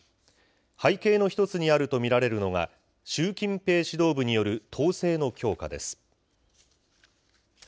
背景の一つにあると見られるのが習近平指導部による統制の強化です。